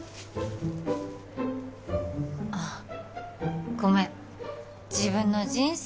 あっごめん自分の人生